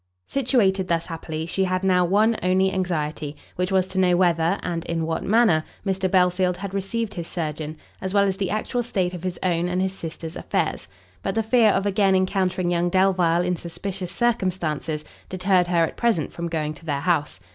Situated thus happily, she had now one only anxiety, which was to know whether, and in what manner, Mr Belfield had received his surgeon, as well as the actual state of his own and his sister's affairs: but the fear of again encountering young Delvile in suspicious circumstances, deterred her at present from going to their house.